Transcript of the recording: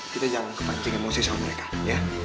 kita jangan kepancingan musiswa mereka ya